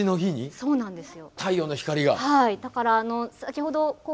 そうなんですよ。